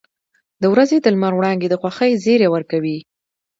• د ورځې د لمر وړانګې د خوښۍ زیری ورکوي.